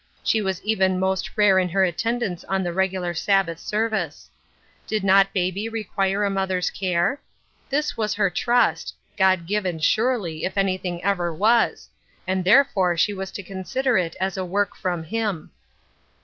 She was even most rare in her attendance on the regu lar Sabbath service. Did not baby require a mother's care ? This was her trust — God given surely, if anything ever was — and therefore she was to consider it as a work from him.